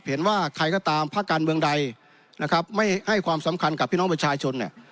เห็นว่าใครก็ตามภาคการเมืองใดนะครับไม่ให้ความสำคัญกับพี่น้องประชาชนเนี่ย